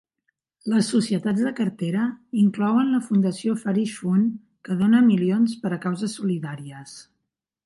Les societats de cartera inclouen la fundació Farish Fund, que dona milions per a causes solidàries.